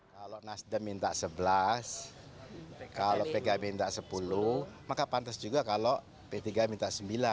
kalau nasdem minta sebelas kalau pkb minta sepuluh maka pantas juga kalau p tiga minta sembilan